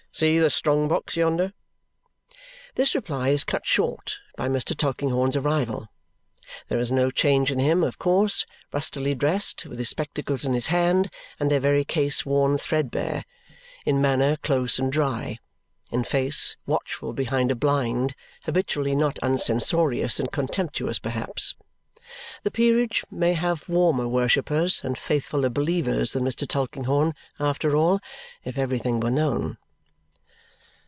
"See the strong box yonder!" This reply is cut short by Mr. Tulkinghorn's arrival. There is no change in him, of course. Rustily drest, with his spectacles in his hand, and their very case worn threadbare. In manner, close and dry. In voice, husky and low. In face, watchful behind a blind; habitually not uncensorious and contemptuous perhaps. The peerage may have warmer worshippers and faithfuller believers than Mr. Tulkinghorn, after all, if everything were known.